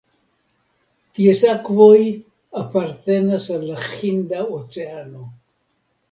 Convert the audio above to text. Ties akvoj apartenas al la Hinda Oceano.